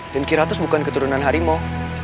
dan kiratus bukan keturunan harimau